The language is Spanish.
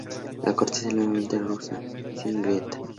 La corteza es levemente rugosa, sin grietas.